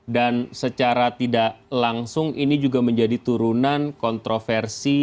dan secara tidak langsung ini juga menjadi turunan kontroversi